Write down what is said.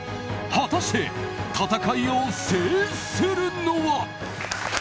果たして戦いを制するのは。